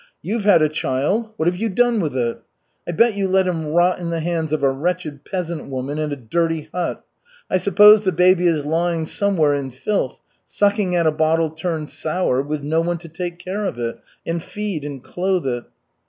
You've had a child. What have you done with it? I bet you let him rot in the hands of a wretched peasant woman in a dirty hut. I suppose the baby is lying somewhere in filth, sucking at a bottle turned sour, with no one to take care of it, and feed and clothe it."